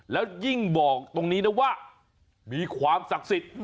แล้วยิ่งบอกตรงนี้นะว่ามีความศักดิ์สิทธิ์